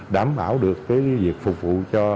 đảm bảo được cái việc phục vụ cho